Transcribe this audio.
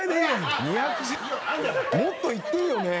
もっといっていいよね。